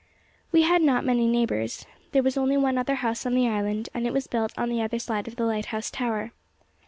We had not many neighbours. There was only one other house on the island, and it was built on the other side of the lighthouse tower.